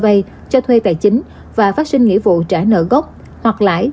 do vậy cho thuê tài chính và phát sinh nghĩa vụ trả nợ gốc hoặc lãi